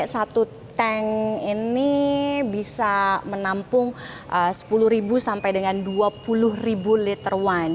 satu tank ini bisa menampung sepuluh sampai dengan dua puluh liter wine